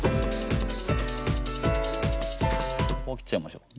ここ切っちゃいましょう。